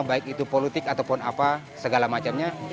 baik itu politik ataupun apa segala macamnya